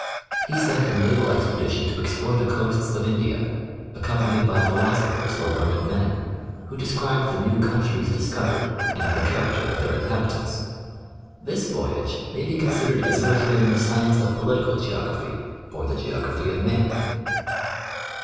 He sent a naval expedition to explore the coasts of India, accompanied by philosophers or learned men, who described the new countries discovered and Ini/roduGtory Addi^ess. 5 the character of their mhabitants. This voyage may be consid ered as originating the science of Political Geography, or the geography of man.